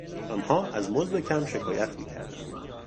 آنها از مزد کم شکایت میکردند.